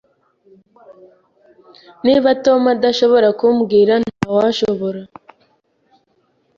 Niba Tom adashobora kumbwira, ntawushobora.